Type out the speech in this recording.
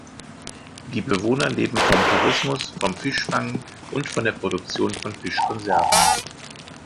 Die Bewohner leben vom Tourismus, vom Fischfang und von der Produktion von Fischkonserven.